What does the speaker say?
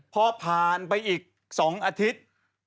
พอผ่านไปอีก๒อาทิตย์